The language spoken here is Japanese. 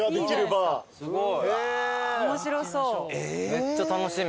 めっちゃ楽しみ。